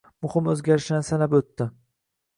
Muhim o‘zgarishlarni sanab o‘tdi.